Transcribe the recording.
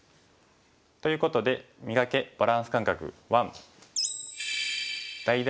ということで「磨け！バランス感覚１」。